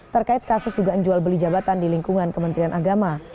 terkait kasus dugaan jual beli jabatan di lingkungan kementerian agama